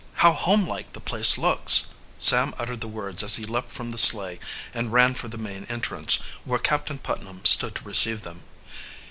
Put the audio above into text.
How home like the place looks!" Sam uttered the words as he leaped from the sleigh and ran for the main entrance, where Captain Putnam stood to receive them.